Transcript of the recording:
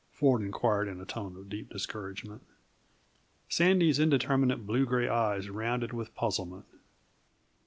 Ford inquired in a tone of deep discouragement. Sandy's indeterminate, blue gray eyes rounded with puzzlement.